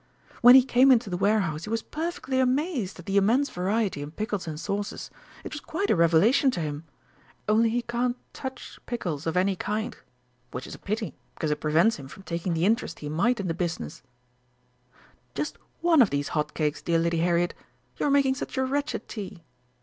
"When he came into the warehouse he was perfectly amazed at the immense variety in pickles and sauces it was quite a revelation to him. Only he can't touch pickles of any kind, which is a pity, because it prevents him from taking the interest he might in the business.... Just one of these hot cakes, dear Lady Harriet you're making such a wretched tea!...